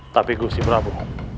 tapi gusti pramu